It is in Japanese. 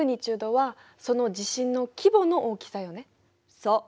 そう。